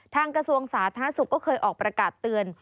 กระทรวงสาธารณสุขก็เคยออกประกาศเตือน